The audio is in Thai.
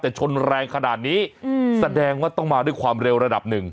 แต่ชนแรงขนาดนี้แสดงว่าต้องมาด้วยความเร็วระดับหนึ่ง